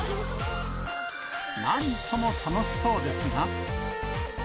なんとも楽しそうですが。